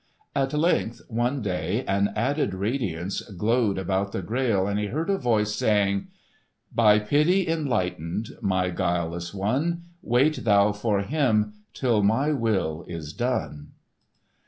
At length one day an added radiance glowed about the Grail, and he heard a voice saying, "By pity enlightened, My guileless one,— Wait thou for him Till my will is done!"